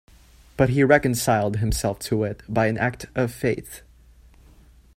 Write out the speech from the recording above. But he reconciled himself to it by an act of faith.